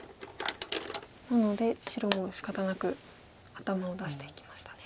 なので白もしかたなく頭を出していきましたね。